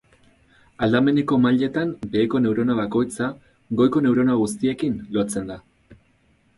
Aldameneko mailetan beheko neurona bakoitza, goiko neurona guztiekin lotzen da.